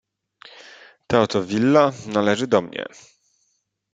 "Ta oto willa należy do mnie."